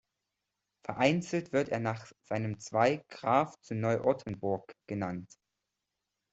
Vereinzelt wird er nach seinem Zweig "Graf zu Neu-Ortenburg" genannt.